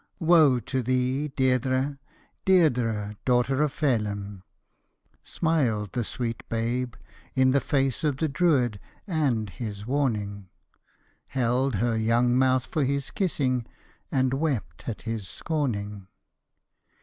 Woe to thee, Dcirdre !— Dcirdrc, daughter of Feilim. Smiled the sweet babe in the face of the Druid and his warning. Held her young mouth for his kissing, and wept at his scorning.